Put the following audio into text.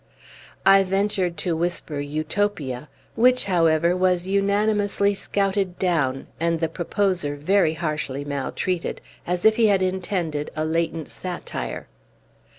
I ventured to whisper "Utopia," which, however, was unanimously scouted down, and the proposer very harshly maltreated, as if he had intended a latent satire.